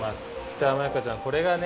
じゃあマイカちゃんこれがね